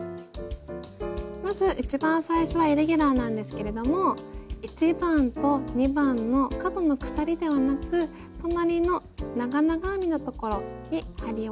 まず一番最初はイレギュラーなんですけれども１番と２番の角の鎖ではなく隣の長々編みのところに針を入れて引き抜きをしていきます。